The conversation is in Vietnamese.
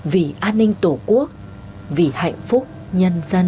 vì an ninh tổ quốc vì hạnh phúc nhân dân